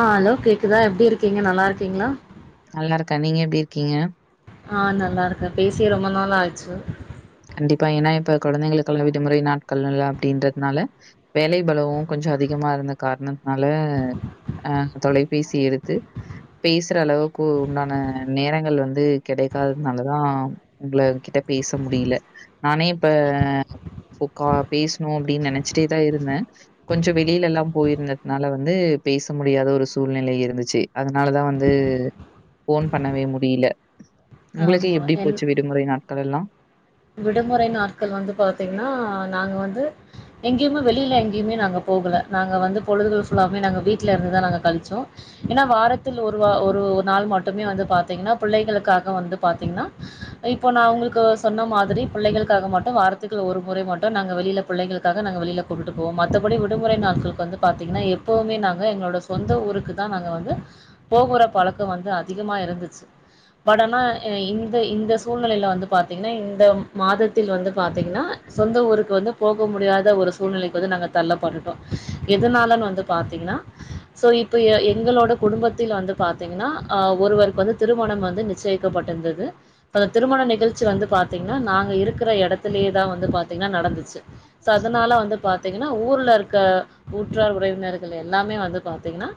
ஆ hello கேக்குதா எப்டி இருக்கீங்க நல்லா இருக்கீங்களா நல்லா இருக்க நீங்க எப்டி இருக்கீங்க ஆ நல்லா இருக்க பேசியே ரொம்ப நாளா ஆயிச்சு கொழந்தைங்களுக்கெல்லா விடுமுறை நாட்கள் அப்படின்றதுனால வேலை பளுவு கொஞ்ச அதிகமா இருந்த காரணத் னால அ தொலைபேசி எடுத்து பேசுற அளவுக்கு உண்டான நேரங்கள் வந்து கிடைக்காதனாலதா உங்கள கிட்ட பேச முடியல நானே இப்ப உக்கா பேசணு அப்படின்னு நினைச்சிட்டே தா இருந்த கொஞ்ச வெளியில எல்லா போயிருந்ததுனால வந்து பேச முடியாத ஒரு சூழ்நிலை இருந்துச்சு அதனாலதா வந்து போன் பண்ணவே முடியல உங்களுக்கு ஆமா எப்படி என்ன போச்சு விடுமுறை நாட்கள் எல்லா விடுமுறை நாட்கள் வந்து பாத்தீங்னா நாங்க வந்து எங்கயுமே வெளில எங்கயுமே நாங்க போகல நாங்க வந்து பொழுது ஃபுல்லாமே நாங்க வீட்ல இருந்துதா நாங்க கழிச்சோ ஏன்னா வாரத்தில் ஒருவ ஒரு நாள் மட்டுமே வந்து பாத்தீங்னா பிள்ளைகளுக்காக வந்து பாத்தீங்னா இப்போ நா உங்களுக்கு சொன்ன மா ரி பிள்ளைகளுக்காக மட்டு வார்த்துக்கு ஒரு முறை மட்டு நாங்க வெளியில பிள்ளைளுக்காக நாங்க வெளியில கூட்டுடு போவோ மத்தபடி விடுமுறை முறை நாட்களுக்கு வந்து பாத்தீங்கனா எப்பவுமே நாங்க எங்களோட சொந்த ஊருக்கு தா நாங்க வந்து போகுற பழக்க வந்து அதிகமா இருந்துச்சி வொடன இந்த இந்த சூழ்நிலைல வந்து பாத்தீங்கன்னா இந்த மாதத்தில் வந்து பாத்தீங்கன்னா சொந்த ஊருக்கு வந்து போக முடியாத ஒரு சூழ்நிலைக்கு வந்து நாங்க தள்ளப்பட்டுட்டோ எதுனாலன் வந்து பாத்தீங்னா சோ இப்ப எங்களோட குடும்பத்தில் வந்து பாத்தீங்கனா ஒருவருக்கு வந்து திருமணம் வந்து நிச்சயிக்க பட்டிருந்தது அ திருமணம் நிகழ்ச்சி வந்து பாத்தீங் நாங்க இருக்கிற எடத்திலயே தான் வந்து பாத்தீங்னா நடந்துச்சு சோ அதனால வந்து பாத்தீங்கன்னா ஊர்ல இருக்க ஊற்றார் உறவினர்கள் எல்லாமே வந்து பாத்தீங்னா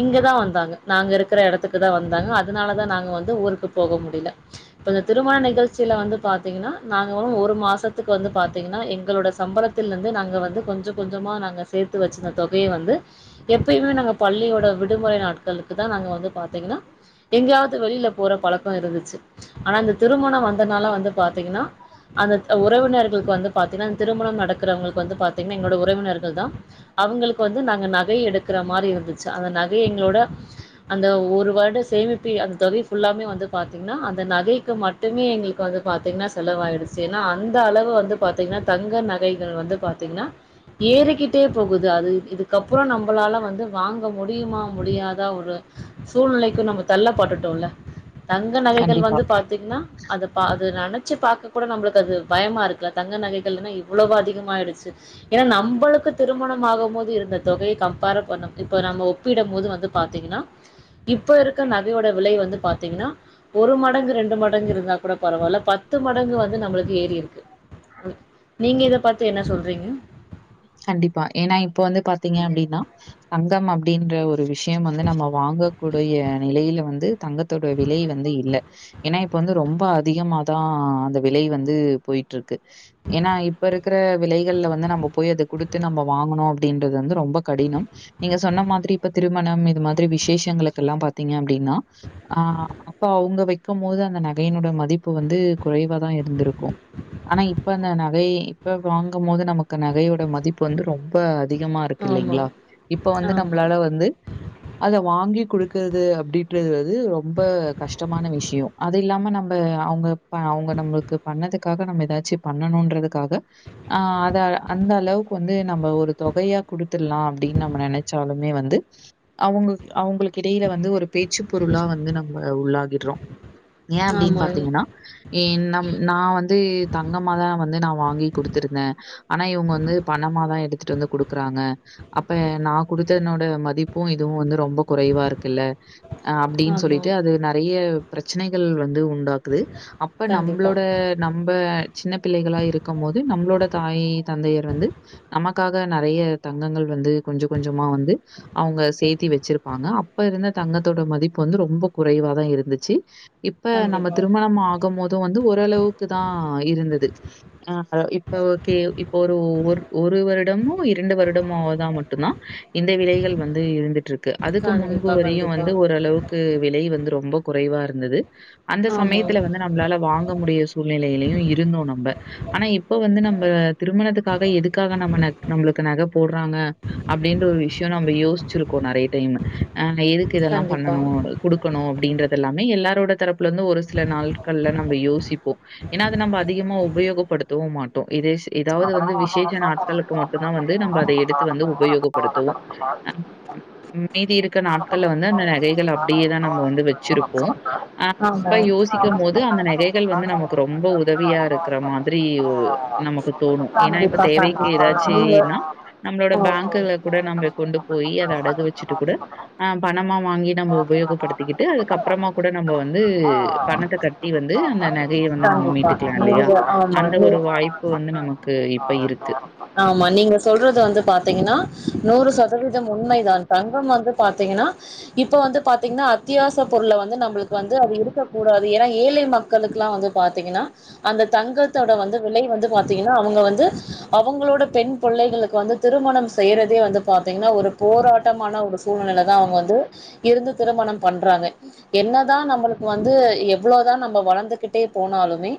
இங்க தா வந்தாங்க நாங் இருக்கிற இடத்துக்கு தான் வந்தாங்க அதுனால தா நாங்க வந்து ஊருக்கு போக முடில இப்ப இந்த திருமண நிகழ்ச்சில வந்து பாத்தீங்கன்னா நாங்க வந்து ஒரு மாசத்துக்கு வந்து பாத்தீங்னா எங்களோட சம்பளத்தில் இருந்து நாங்க வந்து கொஞ்சோ கொஞ்ச கொஞ்சமா நாங்க சேத்து வச்சிருந்த தொகைய வந்து எப்பயுமே நாங்க பள்ளியோட விடுமுறை நாட்களுக் துக்கு தா நாங்க வந்து பாத்திங்னா எங்கேயாவது வெளியில போற பழக்க இருந்துச்சு ஆனா இந்த திருமண வந்தனால வந்து பாத்தீங்கன்னா அந்த உறவினர்களுக்கு வந்து பாத்தீங்கன்னா அந்த திருமணம் நடக்கிறவங்களுக்கு வந்து பாத்தீங்கன்னா எங்களோட உறவினர்கள் தா அவங்களுக்கு வந்து நாங்க நகை எடுக்கிற மாரி இருந்துச்சு அந்த நகை எங்களோட அந்த ஒரு வருட சேமிப்பு அந்த தொகை ஃபுல்லாமே வந்து பாத்தீங்கன்னா அந்த நகைக்கு மட்டுமே எங்களுக்கு வந்து பாத்தீங்கன்னா செலவாயிடுச்சு ஏன்னா அந்த அளவு வந்து பாத்தீங்கன்னா தங்க நக நகைகள் வந்து பாத்தீங்கன்னா ஏறிக்கிட்டே போகுது அது இதுக்கப்பு புறம் நம்பளால வந்து வாங்க முடியுமா முடியாத ஒரு சூழ்நிலைக்கு நம்ம தள்ளப்பட்டுட்டோல்ல தங்க நகைகள் கண்டிப்பா. வந்து பாத்தீங்கன்னா அத பா நினைச்சி பார்க்க கூட நம்மளுக்கு அது பயமாக இருக்குல தங்க நகைகள்னா இவ்வளவோ அதிகமாயிடுச்சு ஏன்னா நம்பளுக்கு திருமணம் ஆகும் போது இருந்த தொகையை கம்பேர் பண்ணும் இப்ப நம்ம ஒப்பிடும் போது வந்து பாத்தீங்கன்னா இப்ப இருக்க நகையோட விலை வந்து பாத்தீங்கன்னா ஒரு மடங்கு ரெண்டு மடங்கு இருந்தா கூடப் பரவால்ல பத்து மடங்கு வந்து நம்மளுக்கு ஏறி இருக்கு ஆமி நீங்க இத பாத்து என்ன சொல்றிங்க கண்டிப்பா ஏனா இப்ப வந்து பாத்தீங்க அப்டீனா தங்கம் அப்டின்ற ஒரு விஷயம் வந்து நம்ம வ வாங்கக்கூடுய நிலையில வந்து தங்கத்தோட விலை வந்து இல்ல ஏனா இப்ப வந்து ரொம்ப அதிகமா அதா அந்த விலை வந்து பொயிட்ருக்கு ஏனா இப்ப இருக்குற விலைகள்ல வந்து நம்மப் போய் அத குடுத்து நம்ம வாங்கணூ அப்டின்றது வந்து ரொம்ப கடினம் நீங்க சொன்ன மாதிரி இப்ப திருமணம் இது மாதிரி வி சேஷங்களுக்குல்லா பாத்திங்க அப்டின்னா ஆஹ் அப்ப அவுங்க வைக்கும் போது அந்த நகையினுட மதிப்பு வந்து குறைவாதா இருந்துருக்கூ ஆனா இப்ப அந்த நகை இப்ப வாங்கும் போது நமக்கு நகையோட மதிப்பு வந்து ரொம்ப அதிகமா இருக்கு ஆமா, இல்லைங்ளா இப்ப வந்து ஆமா, நம்ளால வந்து அத வாங்கிக்குடு கிர்தூ அப்டின்றது வந்து ரொம்ப கஷ்டமான விஷ்யோ அது இல்லாம நம் ப அவுங்க ப அவுங்க நம்ளுக்கு பண்ணதுக்காக நம்ம எதாச்சி பண்ணணூன்றதுக்காக ஆஹ் அத அந்த அளவுக்கு வந்து நம்ம ஒரு தொகையா குடுத்துட்லா அப்டின் நம்ம நெனச்சாலுமே வந்து அவுங் அவுங்களுக் இடையில வந்து ஒரு பேச்சு பொருளா வந்து நம்ம உள்ளாகிட்றோ ஏ அப்டின் ஆமாங், பாத்திங்கனா ஏன் நம் நா வந்தூ தங்கமாதா வந்து நா வாங்கி குடுத்துருக் ந உங்க வந்து பணமாதா எடுத்துட்டு வந்து குடுக்குறாங்க அப்பே நா குடுத்தன்னோட மதிப்பூ இதுவு வந்து ரொம்பொ குறைவா இருக்குல்ல அ அப்டீன் ஆமா. சொல்லிட்டு அது நெறைய பிரச்சனைகள் வந்து உன் டாக்குது அப்ப கண்டிப்பா, நம்ளோட நம்ப சின்ன பிள்ளைகளா இருக்கம்மோது நம்ளோட தாய் தயர் வந்து நமக்காக நெறைய தங்கங்கள் வந்து கொஞ்சொ கொஞ்சமா வந்து அவுங்க சேத்தி வெச் சிருப்பாங்க அப்ப இருந்த தங்கத்தோட மதிப்பு வந்து ரொம்பொ குறைவாதா இருந்துச்சி இப்ப நம்ம கண்டிப்பா, திருமணம் ஆகமோதூ வந்து ஓரளவுக்குதா இருந்தது ஆ ஹ இப்ப ஒகே ஒரூ ஒர் ஒரு வருடமோ இரண்டு வருடமோ தா மட்டுந்தா இந்த விலைகள் வந்து இருந்துட்ருக்கு அதுக்கு முன்பு கண்டிப்பா, வரையூ கண்டிப்பா. வந்து ஓரளவுக்கு விலை வந்து ரொம்பொ குறைவா இருந்தது அந்த ஆமா, சமயத்துல வந்து நம்ளால வாங்க முடிய சூழ்நிலையிலயு இருந்தோ நம்ப ஆனா இப்பொ வந்து நம்ப உம்மணத்துக்காக எதுக்காக நம்ம நக் நம்ளுக்கு நக போட்றாங்க அப்டின்ற ஒரு விஷ்யோ நம்ம யோஸ்ச் சிருக்கோ நெறைய டைம்மூ நாங்க எதுக்கு இதெல்லா கண்டிப்பா. பண்ணணூ குடுக்கணூ அப்டின்றதெல்லாமே எல்லா ரோட தரப்புலந்து ஒரு சில நாள்கள்ல நம்ம யோசிப்போ ஏனா அது நம்ம அதிகமா உபயோகப்படுத்தவு மாட்டோ இதே எதாவது வந்து விஷேச்ச நாட்களுக்கு மட்டுதா வந்து நம்ப அத எடுத்து வந்து உபயோகப்படுத்துவோ ஆஹ் ம் மீதி இருக்க நாட்கள்ல வந்து அந்த நகைகள் அப்டியேதா நம்ம வந்து வெச்சிருப்போ ஆஹ் ஆமா. இப்ப யோசிக்கமோது அந்த நகைகள் வந்து நமக்கு ரொம்போ உதவியா இருக்ற மாத்ரீ ஒ நமக்கு தோணு ஏனா இப்ப கண்டிப்பா, தேவைக்கு கண்டிப்பா. நீங்க எதாச்சீனா நம்ளோட ஆமா. பேங்க்கல்ல கூட நம்ம கொண்டு போயி அத அடகு வெச்சிட்டு கூட ஆ பணமா வா ங்கீ நம்ம உபயோகப்படுத்திகிட்டு கண்டிப்பா அதுக்கப்றமா கூட நம்மொ வந்தூ பணத்த கட்டி வந்து அந்த நகைய வந் து நம்ம மீட்டுக்லா இல்லையா நீங்க ஆமா அந்த நீ ஒரு வாய்ப்பு வந்து நமக் ஆமா நீங்க சொல்றது வந்து பாத்திங்கனா நூறு சதவீதம் உண்மை தான் தங்கம் வந்து பாத்திங்கனா இப்ப வந்து பாத்திங்னா அத்தியாச பொருள வந்து நம்ளுக்கு வந்து அது இருக்கக்கூடாது ஏனா ஏழை மக்களுக்லா வந்து பாத்தைங்கனா அந்த தங்கத்தோட வந்து விலை வந்து பாத்தைங்கனா அவங்க வந்து அவங்ளோட பெண் பொள்ளைகளுக்கு வந்து திருமணம் செய்றதே வந்து பாத்தைங்னா ஒரு போராட்டமான ஒரு சொ சூழ்நிலதா அவுங்க வந்து இருந்து திருமணம் பண்றாங்க என்னதா நம்மளுக்கு வந்து எவ்ளோதா நம்ம வளந்துக்கிட்டே போனாலுமே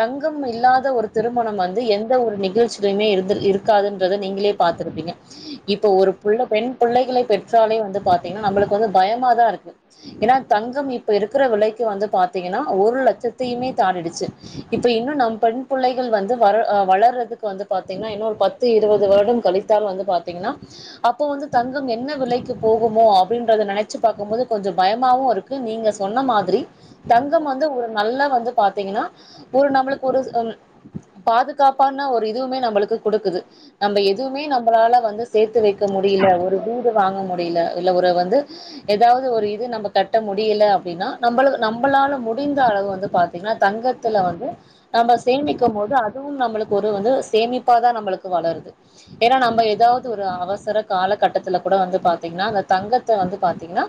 தங்கம் இல்லாத ஒரு திருமணம் வந்து எந்த ஒரு நிகழ்ச்சிலயுமே இருந்து இருக்காதுன் றத நீங்களே பாத்துருப்பீங்க இப்போ ஒரு புள்ள பெண் புள்ளைகளை பெற்றாலே வந்து பாத்தைங்னா நம்ளுக் கு வந்து பயமாதா இருக்கு ஏனா தங்கம் இப்ப இருக்ற விலைக்கு வந்து பாத் திங்கனா ஒரு லட்சத்தையுமே தாண்டிடுச்சி இப்ப இன்னு நம் பெண் புள்ளைகள் வந்து வர ஆ வளர்றதுக்கு வந்து பாத்திங்னா இன்னு ஒல் பத்து இருவது வருடம் கழித்தால் வந்து பாத்திங்னா அப்போ வந் து தங்கம் என்ன விலைக்கு போகுமோ அ அப்டின்றது நெனச்சி பாக்கும்போது கொஞ்சொ பயமாவூ இருக்கு நீங்க சொன்ன மாத்ரீ தங்கம் வந்து ஒரு நல்ல வந்து பாத்தீங்கன்னா ஒரு நம்மளுக்கு ஒரு ம் பாதுகாப்பான ஒரு இதுவுமே நம்மளுக்கு குடுக்குது நம்ம எதுவுமே நம்மளால வந்து சேர்த்து வைக்க முடியில ஒரு வீடு வாங்க முடியில இல்ல ஒரு வ வந்து எதாவது ஒரு இது நம்ம கட்ட முடியில அப்டின்னா நம்ப நம்பளால முடிந்த அளவு வந்து பார்த் தீங்கன்னா தங்கத்துல வந்து நம்ம சேமிக்கம்மோது அதுவும் நம்மளுக்கு ஒரு வந்து சேமிப்பா தான் நம்மளுக்கு வளருது ஏனா நம்ம எதாவது ஒரு அவசர காலகட்டத்துல கூட வந்து பாத்தீங்கன்னா அந்த தங்கத் த்த வந்து பாத்தீங்கன்னா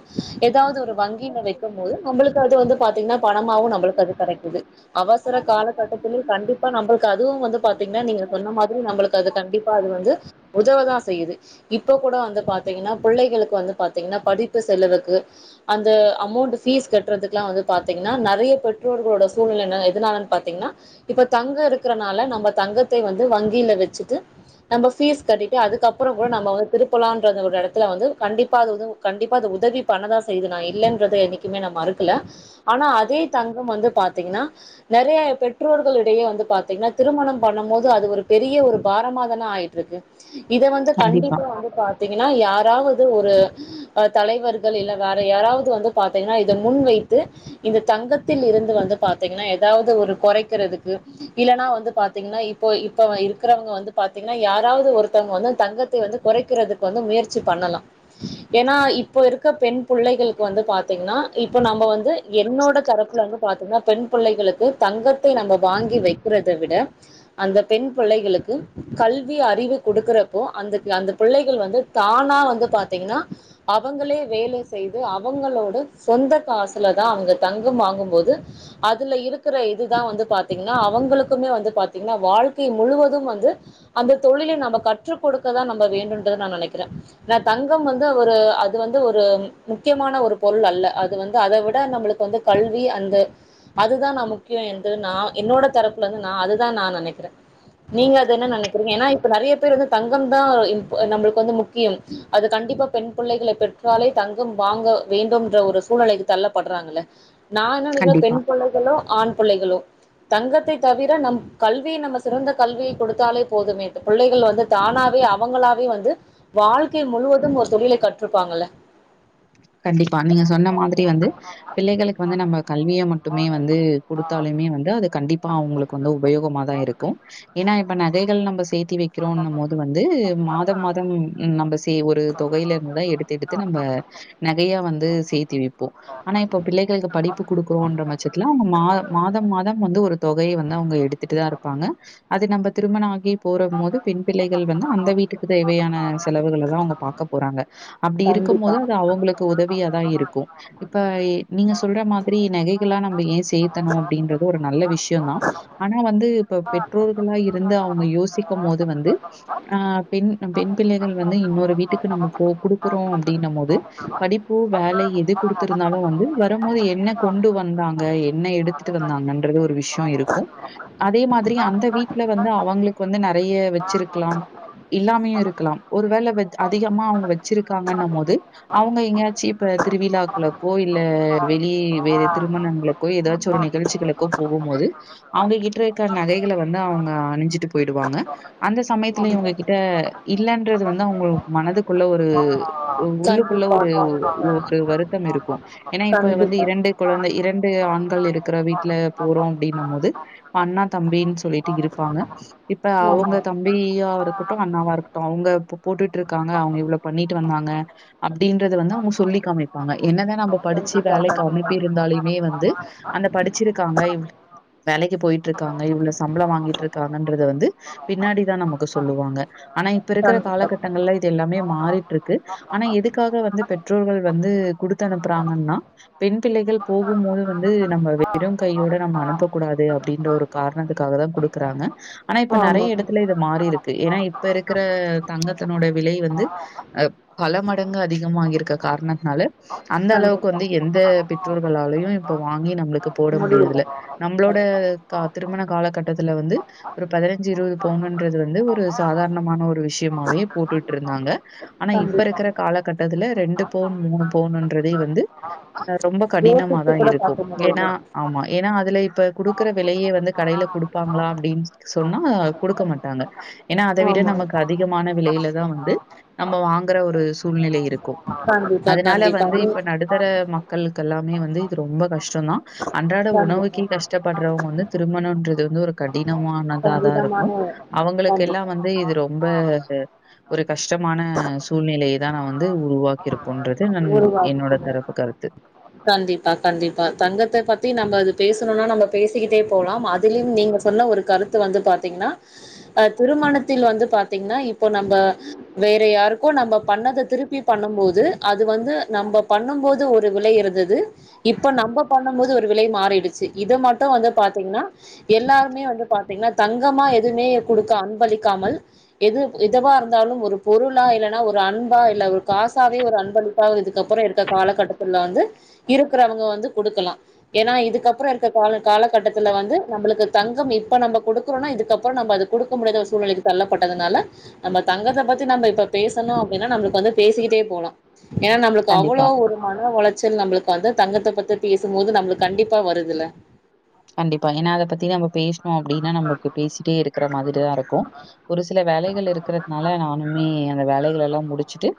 எதாவது ஒரு வங்கில வெக்கும்மோது நம்மளுக்கு அது வந்து பாத்தீங்கன்னா பணமாவும் நம்மளுக்கு அது கடைக்குது அவசர காலகட்டத்தில் கண்டிப்பா நம்மளுக்கு அதுவும் வந்து பார்த் தீங்கன்னா நீங்க சொன்ன மாதிரி நம்மளுக்கு அது கண்டிப்பா அது வந்து உதவ தான் செய்யுது இப்போ கூட வந்து பாத்தீங்கன்னா புள்ளைகளுக்கு வந்து பாத் தீங்கன்னா படிப்பு செலவுக்கு அந்த அமௌண்டு பீஸ் கட்றதுக்குல்லாம் வந்து பாத்தீங்கன்னா நறைய பெற்றோற் இவுங்களோட சூழ்நில ந எதுனாலன்னு பாத்தீங்கன்னா இப்ப தங்கம் இருக்குறனால நம்ம தங்கத்தை வந்து வங்கியில வெச் சிட்டு நம்ம பீஸ் கட்டிட்டு அதுக்கப்புறம் கூட நம்ம வந் திருப்பலான்ற அந்த ஒரு எடத்துல வந்து கண்டி கண்டிப்பா அது உதவு கண்டிப்ப அது உதவி பண்ணதா செய்து நா இல்லைன்றத என்னைக்குமே நம் மறுக்கல ஆனா அதே தங் தங்கம் வந்து பாத்தீங்னா நறைய பெற்றோர்களிடையே வந்து பாத்தீங்னா திருமணம் பண்ணம் போது அது ஒரு பெரிய ரிய ஒரு பாரமாதனா ஆயிட்டு இருக்கு இத வந்து கண்டிப்பா வந்து பாத்தீங்கனா யாராவது ஒரு தலைவர்கள் இல்ல வேற யாராவது வந்து பாத்தீங்கன்னா இதை முன்வைத்து இந்த தங்கத்தில் இருந்து வந்து பாத்தீங்கன்னா ஏதாவது ஒரு கோறைக்கிறதுக்கு இலனா வந்து பாத்தீங்னா இப்ப இப்ப இருக்கற இருக்கறவங்க வந்து பாத்தீங்கன்னா யாராவது ஒருத்தவங்க வந்து தங்கத்தை வந்து குறைக்கிறதுக்கு வந்து முயற்சி பண்ணலா ஏன்னா இப்போ இருக்க பெண் புள்ளைகளுக்கு வந்து பாத்தீங்னா இப்ப நம்ம வந்து என்னோட தரப்புல வந்து பா பாதிங்கன பெண் புள்ளைகளுக்கு தங்கத்தை நம்ம வாங்கி வைக்கிறத விட அந்த பெண் பிள்ளைகளுகு க்கு கல்வி அறிவு குடுக்குறப்போ அந்த அந்த பிள்ளைகள் வந்து தானா வந்து பாத்தீங்னா அவங்களே வேலை செய்து அவங்களோட சொந்த காசுல தா அவங்க தங்கம் வாங்கும்போது அதுல இருக்கற இதுதா வந்து பாத்தீங்னா அவங்களுக்குமே வந்து பாத்தீங்னா வாழ்க்கை முழுவதும் வந் து அந்த தொழிலை நம்ம கற்றுக் கொடுக்கதா நம்ம வேணுன்று நா நனைக்கிறே தங்கம் வந்து து ஒரு அது வந்து ஒரு முக்கியமான ஒரு பொருள் அல்ல அது வந்து அதை விட நம்மளுக்கு வந்து கல்வி அ ந்து அதுதா நா முக்கியம் என்று நா என்னோட தரப்புல இருந்து நா அதுதா நா நனைக்கிறே நீங்க அது என்ன நனைக்கிறீங்க ஏன்னா இப்ப நறைய பேர் வந்து தங்கம் தா நம்பளுக்கு வந்து முக்கியம் அது கண்டிப்பா பெண் புள்ளைகளை பெற்றாலே தங்கம் வாங்க வேண்டும்ன்ற ஒரு சூழலைக்கு தள்ளப்படுறாங்கள நா என்ன நனைக்கிறே கண்டிப்பா. பெண் புள்ளைகளோ ஆண் புள்ளைகளோ தங்கத்தை தவிர நம் கல்வி நம்ம சிறந்த கல்வி குடுத்தாலே போதுமே புள்ளைகள் வந்து தானாவே அவங்களாவே வந்து வாழ்க்கை முழுவதும் ஒரு தொழிலை கற்றுருப்பாங்கள் ல கண்டிப்பா நீங்க சொன்ன மாதிரி வந்து பிள்ளைகளுக்கு வந்து நம்ம கல்வியை மட்டுமே வந்து குடுத்தாலே மே வந்து அது கண்டிப்பா அவங்களுக்கு வந்து உபயோகமா தா இருக்கு ஏன்னா இப்ப நகைகள் நம்ப சே த்தி வைக்கிறோன்ன மோது வந்து மாதம் மாதம் நம்ப சே ஒரு தொகையில இருந்துதா எடுத்து எடுத்து நம்ம அ நகைய வந்து சேர்த்தி வைப்போ ஆனா இப்ப பிள்ளைகளுக்கு படிப்பு குடுக்குறோன்ற பச்சத்துல அவங்க மா மாத மாதம் வந்து ஒரு தொகைய வந்து அவங்க எடுத்துட்டு தா இருப்பாங்க அது நம்ப திருமண ஆகி போற மோது பெண் பிள்ளைகள் வந்து அந்த வீட்டுக்கு தேவையான செலவுகள் தா அவங்க பாக்க போறாங்க அப்டி இரு க்கும் கண்டிப்பா. மோது அது அவங்களுக்கு உதவிய தா இருக்கு இப்ப நீங்க சொல்ற மாதிரி நகைகள்ள நம்ப ஏன் சேத்தணு அப்டின்ற இது ஒரு நல்ல விஷய தா ஆனா வந்து இப்ப பெற்றோர்களா இருந்து அவங்க யோசிக் க்க மோது வந்து ஹ் பெண் பெண் பிள்ளைகள் வந்து இன்னொரு வீட்டுக்கு நம்ம போ குடுக்கறோ அப்படின்னா மோது படிப்பு வேலை எது குடுத்து இருந்தாலு வந்து வரம்மோது என்ன கொண்டு வந்தாங்க என்ன எடுத்துட்டு வந்தா ங்ன்றது ஒரு விஷய இருக்கு அதே மாதிரி அந்த வீட்டல வந்து அவங்களுக்கு வந்து ந நறைய வச்சிருக்கலாம் இல்லாமேயு இருக்கலாம் ஒரு வேளை வே அதிகமா அவங்க வச்சிருக்காங்கன்ன போது அவங்க எங்கயாச்சி இப்ப திருவிழாக்லக்கோ இல்ல வெளி வேற திருமணங்களுக்கோ ஏதாச்சு ஒரு நி நிகழ்ச்சிகளுக்கோ போகும் போது அவங்க கிட்ர இருக்க நகைகளை வந்து அவங்க அணிஞ்சிட்டு போயிடுவாங்க அந்த சமயத்துல ஆமா. இவங்ககிட்ட இல்லன்றது வந்து அவங்க மனதுக்குள்ள ஒரு தான் குள்ள ஒரு ஒரு வருத்தம் இருக்கும் ஏன்னா இப்ப வந்து கண்டிப்பா. இரண்டு குழந்தை இரண்டு ஆண் கள் இருக்கற வீட்டுல போறோ அப்டின்னும் மோது அண்ணா தம்பின்னு சொல்லிட்டு இருப்பாங்க இப்ப ஆமா அவங்க தம்பி யாவா இருக்கட்டு அண்ணாவா இருக்கட்டு அவங்க போட்டுட்டு இருக்காங்க அவங்க இவ்வளோ பண்ணிட்டு வந்தாங்க அப்படின்றது வந்து அவங்க சொல்லிக்காமிப்பாங்க என்னதா நம்ம படிச்சு கண்டிப்பா வேலைக்கு கண்டிப்பா அனுப்பி இருந்தாலீயுமே வந்து அந் படிச்சிருக்காங்க இவ்ளோ வேலைக்கு போயிட்டு இருக்காங்க இவ்ளோ சம்பளம் வாங்கிட்டு இருக்காங்கன்றத வந்து பின்னாடிதா நமக்கு சொல்லுவாங்க ஆனா இப்ப இருக்கற கண்டிப்பா காலகட்டங்கள்ல இது எல்லாமே மாறிட் ருக்கு ஆனா எதுக்காக வந்து பெற்றோர்கள் வந்து குடுத் த்த அனுப்புறாங்கன்னா பெண் பிள்ளைகள் போகும் மோது வந்து நம்ம வெறும் கையோட நம்ம அனுப்பக்கூடாது அப்படின்ற ஒரு காரணத்துக்காக தா குடுக்குறாங்க ஆனா இப்ப ஆமா நெறைய இடத்துல இது மாறி இருக் கு ஏன்னா இப்ப இருக்கிற தங்கத்தனோட விலை வந்து அஹ் பல மடங்கு அதிகமாகி இருக்க காரணத்தனால அந்த அளவுக்கு கண்டிப்பா வந்து எந்த பெற்றோர்களாலயும் இப்ப வாங்கி நம்மளுக்கு போட முடியல முடியறதுல நம்மளோட திருமண காலகட்டத்துல வந்து ஒரு பதினஞ்சு இருபது பவுனுன்றது வந்து ஒரு சாதாரணமான ஒரு விஷயம் சும்மாவே போட்டுட்டு இருந்தாங்க ஆனா இப் ப கண்டிப்பா இருக்கிற காலகட்டத்துல ரெண்டு பவுண் மூணு பவுண்றதே வந்து ஹ ரொம்ப யோசித்து கடினமாதான் கூட பாக்க இருக்கும் ஏன்னா முடியல ஆமா ஏன்னா அதுல இப்ப குடுக்கற விலையே வந்து கடையில கொடுப்பாங்களா அப்படின்னு சொன்னா கொடுக்க மாட்டாங்க ஏன்னா அதை விட ஆமா நமக்கு அதிகமான விலையில தான் வந்து நம்ம வாங்குற ஒரு சூழ்நிலை இருக் கும் கண்டிப்பா அதனால கண்டிப்பா வந்து நீ இப்ப நடுத்தர மக்களுக்கு எல்லாமே வந்து இது ரொம்ப கஷ்டம் தான் அன்றாட கண்டிப்பா உணவுக்கே கஷ்டப்படுறவங்க வந்து திருமணம்ன்றது இது வந்து ஒரு கடினமானதா தான் கண்டிதமான இருக்கும் அவங்களுக்கு கண்டிப்பா. எல்லாம் வந்து இது ரொம்ப ரு ஒரு கஷ்டமான சூழ்நிலையைதான நான் வந்து உருவாக்கிருப் கண்டிப்பா கண்டிப்பா தங்கத்தை பத்தி நம்மது பேசணும்னா நம்ம பேசிக்கிட்டே போலாம் அதுலயும் நீங்க சொன்ன ஒரு கருத்து வந்து பாத்தீங்கன்னா அஹ் திரும் மணத்தில வந்து பாத்தீங்கன்னா இப்போ நம்ம வேற யாருக்கும் நம்ம பண்ணத திருப்பி பண்ணும் போது அது வந்து நம்ம பண்ணும் போது ஒரு விலை இருந்தது இப்ப நம்ம பண்ணும் போது ஒரு விலை மாறிடுச்சு இது மட்டும் வந்து பாத்தீங்கன்னா எல்லாருமே வந்து பாத்தீங்கன்னா தங்கமா எதுவுமே கொடுக்க அன்பளிக்காமல் எது எதுவா இருந்தாலும் ஒரு பொருளா இல்லன்னா ஒரு அன்பா இல்ல ஒரு காசாவே ஒரு அன் பளிப்பா இதுக்கப்புறம் இருக்க காலகட்டத்துல வந்து இருக்கிறவங்க வந்து கொடுக்கலாம் ஏன்னா இதுக்கப்புறம் இருக்க காலகட்டத்தில வந்து நம்மளுக்கு தங்கம் இப்ப நம்ம கொடுக்கறோம்னா இதுக்கப்புறம் நம்ம அது கொடுக்க முடியாத சூழ்நிலை தள்ளப்பட்டதுனால நம்ம தங்கத்தை பத்தி நம்ம இப்ப பேசணும் அப்படின்னா நம்ம வந்து பேசிக்கிட்டே போலாம் ஏன்னா நம்மளுக்கு கண்டிப்பா. அவ்வளவு ஒரு மன உளைச்சல் நம்மளுக்கு வந்து தங்கத்தை பத்தி பேசும் போது நம்மளுக்கு கண்டிப்பா வருதுல்ல ம் அப்படின்னா நம்மக்கு பேசிட்டே இருக்கிற மாதிரிதான் இருக்கும் ஒரு சில வேலைகள் இருக்கிறதுனால நானுமே அந்த வேலைகள் எல்லாம் முடிச்சுட்டு